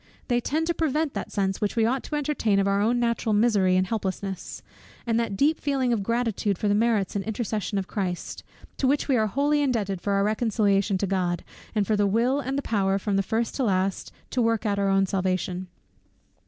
They tend to prevent that sense which we ought to entertain of our own natural misery and helplessness; and that deep feeling of gratitude for the merits and intercession of Christ, to which we are wholly indebted for our reconciliation to God, and for the will and the power, from first to last, to work out our own salvation.